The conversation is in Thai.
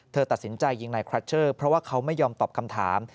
ตัดสินใจยิงนายคลัชเชอร์เพราะว่าเขาไม่ยอมตอบคำถาม